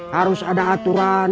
harus ada aturan